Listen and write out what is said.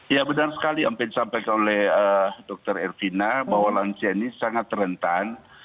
ya benar sekali apa yang disampaikan oleh dr ervina bahwa lansia ini sangat rentan